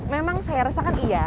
memang saya merasakan iya